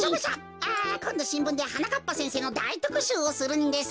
あこんどしんぶんではなかっぱせんせいのだいとくしゅうをするんです。